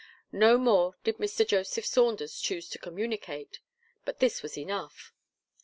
No more did Mr. Joseph Saunders choose to communicate; but this was enough.